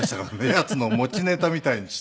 ヤツの持ちネタみたいにして。